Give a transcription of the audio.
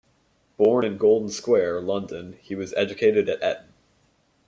Born in Golden Square, London he was educated at Eton.